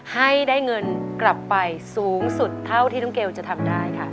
ให้ได้เงินกลับไปสูงสุดเท่าที่น้องเกลจะทำได้ค่ะ